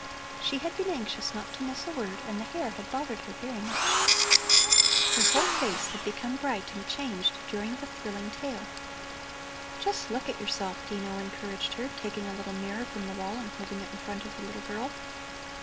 She had been anxious not to miss a word, and the hair had bothered her very much. Her whole face had become bright and changed during the thrilling tale. "Just look at yourself!" Dino encouraged her, taking a little mirror from the wall and holding it in front of the little girl.